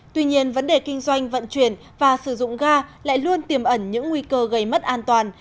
tuy nhiên vấn đề kinh doanh vận chuyển và sử dụng ga lại luôn tiềm ẩn những nguy cơ gây mất an toàn